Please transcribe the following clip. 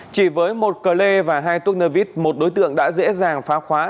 chỉ với một cờ lê và hai túc nơ vít một đối tượng đã dễ dàng phá khóa